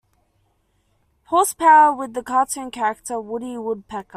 Horsepower with the cartoon character Woody Woodpecker.